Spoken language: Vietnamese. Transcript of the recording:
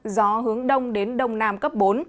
gió hướng đông đến đông nam cấp bốn